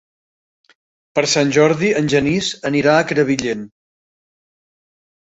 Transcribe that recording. Per Sant Jordi en Genís anirà a Crevillent.